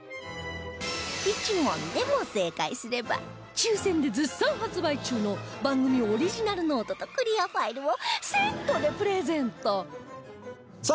１問でも正解すれば抽選で絶賛発売中の番組オリジナルノートとクリアファイルをセットでプレゼントさあ